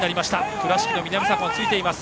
倉敷の南坂がついています。